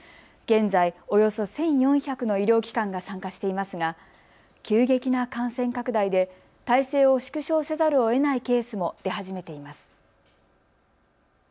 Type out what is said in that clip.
現在およそ１４００の医療機関が参加していますが急激な感染拡大で体制を縮小せざるをえないケースも出始めています。